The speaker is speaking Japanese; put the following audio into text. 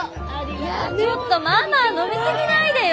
いやちょっとママ飲み過ぎないでよ。